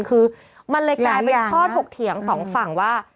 คือมันเลยกลายเป็นข้อถกเถียงสองฝั่งว่า